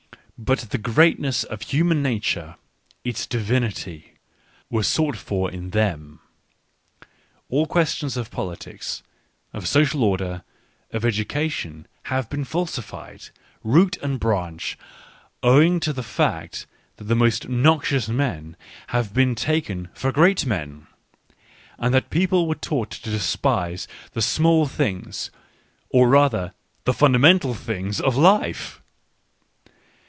... But the greatness of human nature, its " divinity," was sought for in them. ... All questions of politics, of social ord^r, of education, have been falsified, root and branch, owing to the fact that the most noxipus men have been taken for great men, and that people were taught to despise the small things,' or rather the fundamental things, of life.